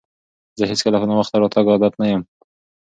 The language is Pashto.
زه هیڅکله په ناوخته راتګ عادت نه یم.